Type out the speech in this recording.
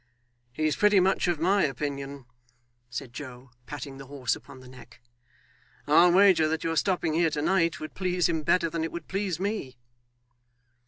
'He's pretty much of my opinion,' said Joe, patting the horse upon the neck. 'I'll wager that your stopping here to night would please him better than it would please me.